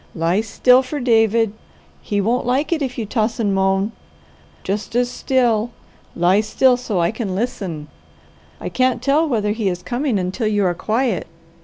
Lie still for David. He won't like it if you toss and moan. Just as still, lie still so I can listen. I can't tell whether he is coming until you are quiet."